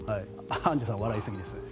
アンジュさん、笑いすぎですよ。